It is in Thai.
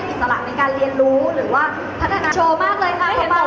แต่ว่าเราจะไม่ค่อยห่วงมาครบมางบ